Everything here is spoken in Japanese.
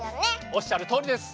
おっしゃるとおりです。